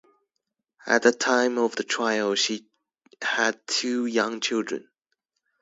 At the time of the trial she had two young children.